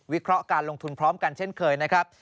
เคราะห์การลงทุนพร้อมกันเช่นเคยนะครับ